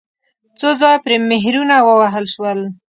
څو ځایه پرې مهرونه ووهل شول.